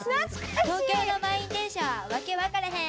「東京の満員電車は訳わからへん！！